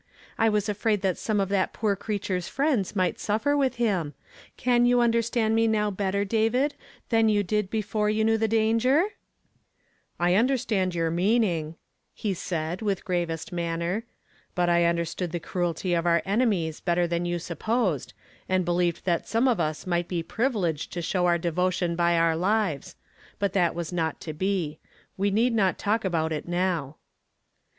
I was afraid that some of that poor creature's frierds nught suffer with him. Can you understand me rda::::v"^^"' '''^"^■°"*^*'^'>»"•« "I undeistand your meaning," he said with gravest manner; .but I understood the cruelty of our enemies better than you supposed, and be heved that some of us might be privileged to show our devotmn by our lives ; but that was not to be. We need not talk about it now."